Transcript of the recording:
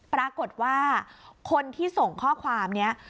ปรากฏว่าคนที่ส่งข้อความนี้